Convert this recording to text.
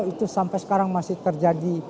itu sampai sekarang masih terjadi